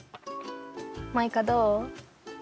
マイカどう？